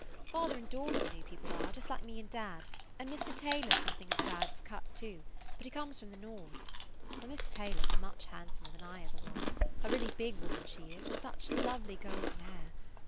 "Father and daughter the new people are, just like me and dad, and Mr. Taylor 's something of dad's cut, too, but he comes from the North. But Miss Taylor 's much handsomer than I ever was; a really big woman she is, and such lovely golden hair.